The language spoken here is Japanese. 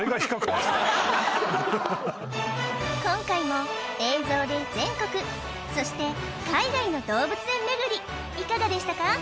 今回も映像で全国そして海外の動物園巡りいかがでしたか？